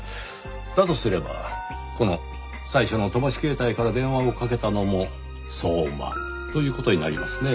だとすればこの最初の飛ばし携帯から電話をかけたのも相馬という事になりますね。